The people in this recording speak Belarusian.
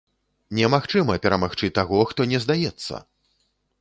Немагчыма перамагчы таго, хто не здаецца!